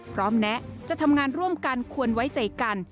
แนะจะทำงานร่วมกันควรไว้ใจกัน